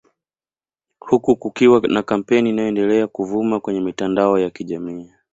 Huku kukiwa na kampeni inayoendelea kuvuma kwenye mitandao ya kijamii